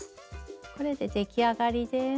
これで出来上がりです。